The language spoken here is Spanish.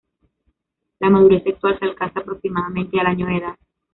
La madurez sexual se alcanza aproximadamente al año de edad.